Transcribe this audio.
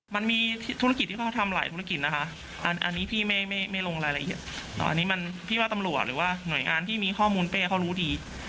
มันมีธุรกิจที่เขาทำหลายธุรกิจนะคะอันนี้พี่ไม่ลงรายละเอียดอันนี้มันพี่ว่าตำรวจหรือว่าหน่วยงานที่มีข้อมูลเป้เขารู้ดี